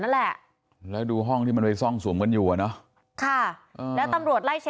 นั่นแหละแล้วดูห้องที่มันไปซ่องสุมกันอยู่อ่ะเนอะค่ะแล้วตำรวจไล่เช็ค